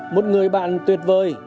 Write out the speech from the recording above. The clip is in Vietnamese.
một người bạn tuyệt vời